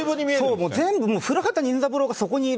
「古畑任三郎」がそこにいる。